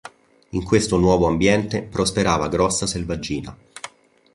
In questo nuovo ambiente prosperava grossa selvaggina.